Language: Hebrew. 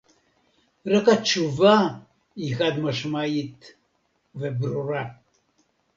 רק התשובה היא חד-משמעית וברורה